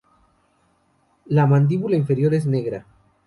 La mandíbula inferior es negra.